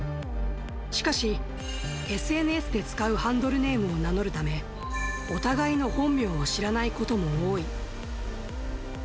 しかし、ＳＮＳで使うハンドルネームを名乗るため、お互いの本名を知らないことも多い。